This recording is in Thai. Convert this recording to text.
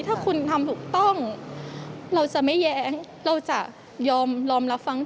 ถ้าคุณทำถูกต้องเราจะไม่แย้งเราจะยอมรอมรับฟัง